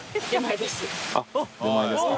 あっ出前ですか。